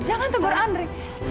jangan tegur andri